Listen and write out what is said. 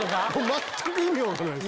全く意味分かんないっす。